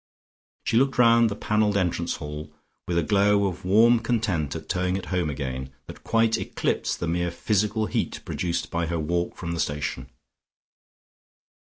She looked round the panelled entrance hall with a glow of warm content at being at home again that quite eclipsed the mere physical heat produced by her walk from the station.